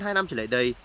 hơn hai năm trở lại đây